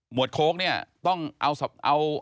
หมวดโค้กต้องเอาผลจากกองสลาก